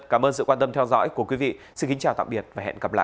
cảm ơn sự quan tâm theo dõi của quý vị xin kính chào tạm biệt và hẹn gặp lại